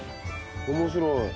面白い。